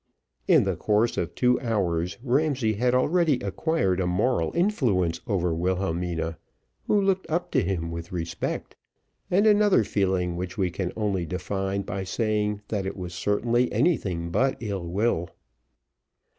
In the course of two hours Ramsay had already acquired a moral influence over Wilhelmina, who looked up to him with respect, and another feeling which we can only define by saying that it was certainly anything but ill will.